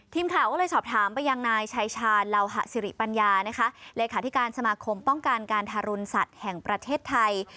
ทีมข่าวก็เลยชอบถามประยางนายชายชาญ